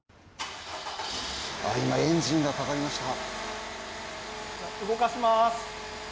今、エンジンがかかりました。